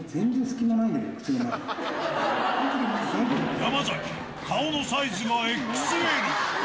山崎、顔のサイズがＸＬ。